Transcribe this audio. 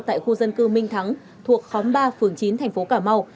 tại khu dân cư minh thắng thuộc khóm ba phường chín thành phố cà mau